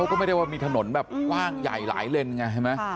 ก็ไม่ได้ว่ามีถนนแบบกว้างใหญ่หลายเลนไงใช่ไหม